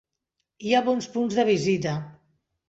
Hi ha bons punts de visita.